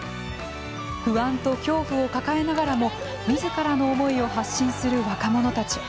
不安と恐怖を抱えながらもみずからの思いを発信する若者たち。